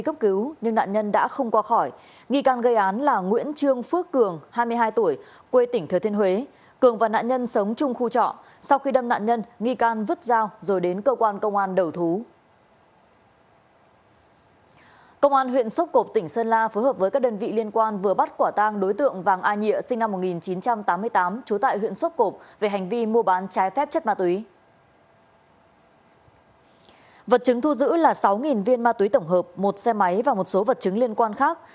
chứng thu giữ là sáu viên ma túy tổng hợp một xe máy và một số vật chứng liên quan khác